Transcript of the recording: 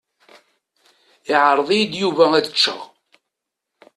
Iɛreḍ-iyi Yuba ad ččeɣ.